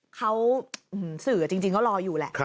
เขาสื่อจริงก็รออยู่แหละ